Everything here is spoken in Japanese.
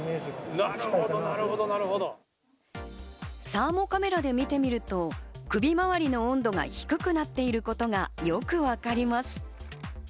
サーモカメラで見てみると、首周りの温度が低くなっていることがよくわかります。